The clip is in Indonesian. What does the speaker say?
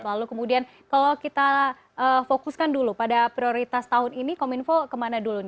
lalu kemudian kalau kita fokuskan dulu pada prioritas tahun ini kominfo kemana dulu